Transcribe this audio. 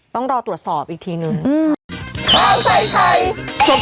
ต้องรอตรวจสอบอีกทีนึง